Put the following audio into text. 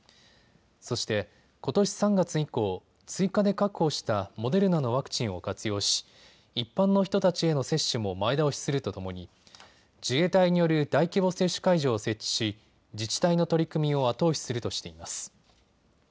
そして、ことし３月以降、追加で確保したモデルナのワクチンを活用し一般の人たちへの接種も前倒しするとともに自衛隊による大規模接種会場を設置し自治体の取り組みを後押しするとしています。